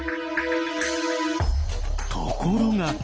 ところが！